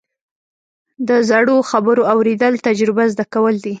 د زړو خبرو اورېدل، تجربه زده کول دي.